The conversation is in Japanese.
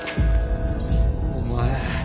お前